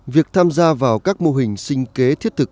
việc tham gia vào các mô hình sinh kế thiết thực